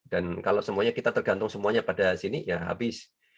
dan kalau kita tergantung semuanya pada sini ya habis